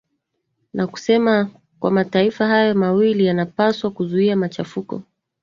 na kusema kwa mataifa hayo mawili yanapaswa kuzuia machafuko